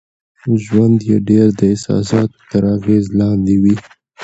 ژوند يې ډېر د احساساتو تر اغېز لاندې وي.